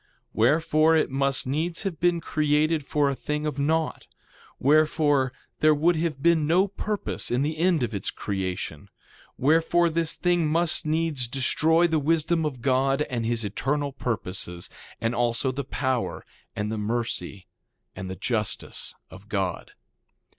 2:12 Wherefore, it must needs have been created for a thing of naught; wherefore there would have been no purpose in the end of its creation. Wherefore, this thing must needs destroy the wisdom of God and his eternal purposes, and also the power, and the mercy, and the justice of God.